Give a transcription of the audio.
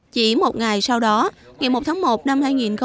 chỉ một ngày sau đó ngày một tháng một năm hai nghìn một mươi tám